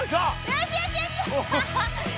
よしよしよし。